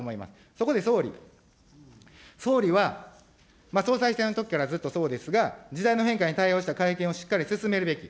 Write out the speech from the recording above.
そこで総理、総理は、総裁選のときからずっとそうですが、時代の変化に対応した会見をしっかり進めるべき。